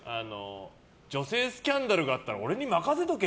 女性スキャンダルがあったら俺に任せとけ！